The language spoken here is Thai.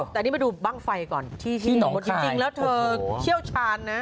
แต่นี่มาดูบ้างไฟก่อนจริงแล้วเธอเชี่ยวชาญนะ